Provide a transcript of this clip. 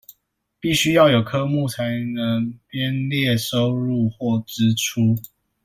必須要有科目才能編列收入或支出